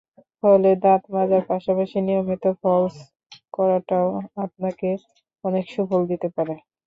ফলে দাঁত মাজার পাশাপাশি নিয়মিত ফ্লস করাটাও আপনাকে অনেক সুফল দিতে পারে।